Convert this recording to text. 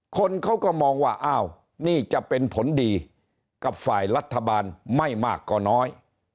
คนเขาก็มองว่าอ้าวนี่จะเป็นผลดีกับฝ่ายรัฐบาลไม่มากก็น้อย